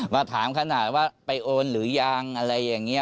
มาถามขนาดว่าไปโอนหรือยังอะไรอย่างนี้